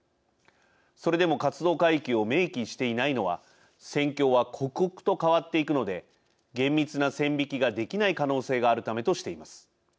それでも活動海域を明記していないのは戦況は刻々と変わっていくので厳密な線引きができない可能性があるためとしています。